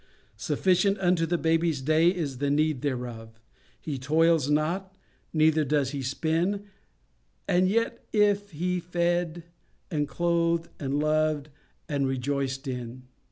Sufficient unto the baby's day is the need thereof; he toils not, neither does he spin, and yet he is fed and clothed, and loved, and rejoiced in.